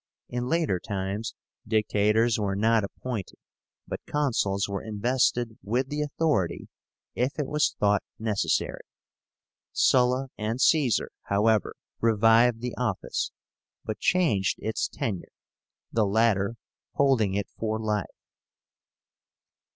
In later times Dictators were not appointed, but Consuls were invested with the authority if it was thought necessary. Sulla and Caesar, however, revived the office, but changed its tenure, the latter holding it for life.